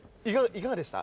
いかがでした？